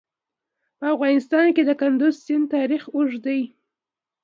په افغانستان کې د کندز سیند تاریخ اوږد دی.